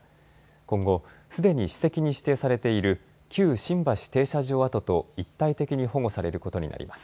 今後すでに史跡に指定されている旧新橋停車場跡と一体的に保護されることになります。